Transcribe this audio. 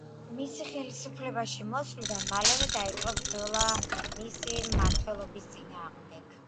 მისი ხელისუფლებაში მოსვლიდან მალევე დაიწყო ბრძოლა მისი მმართველობის წინააღმდეგ.